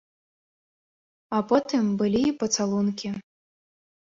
А потым былі і пацалункі.